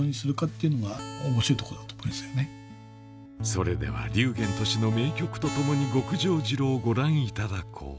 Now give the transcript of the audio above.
それでは龍玄としの名曲とともに極上城をご覧いただこう